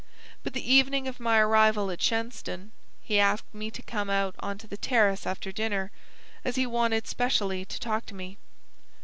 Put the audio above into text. But the evening of my arrival at Shenstone he asked me to come out on to the terrace after dinner, as he wanted specially to talk to me.